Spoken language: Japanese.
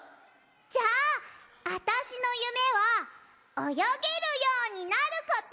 じゃああたしのゆめはおよげるようになること！